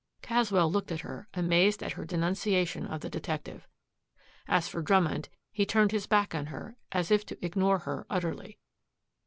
Caswell looked at her, amazed at her denunciation of the detective. As for Drummond, he turned his back on her as if to ignore her utterly.